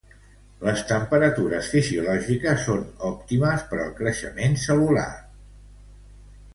Les temperatures fisiològiques són òptimes per al creixement cel·lular.